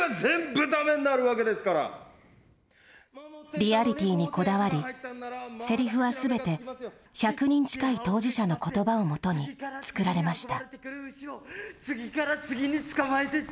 リアリティーにこだわり、せりふはすべて１００人近い当事者のことばをもとに作られました。